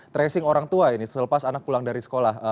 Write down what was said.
tracing orang tua ini selepas anak pulang dari sekolah